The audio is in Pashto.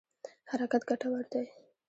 حرکت ګټور دی.